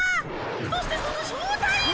そしてその正体は。